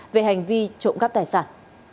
về hành vi trộm cắp tài sản